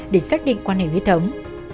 để xác định quan hệ huyết thống